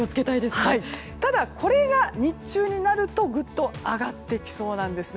ただ、これが日中になるとぐっと上がってきそうなんです。